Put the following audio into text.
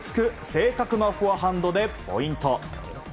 正確なフォアハンドでポイント。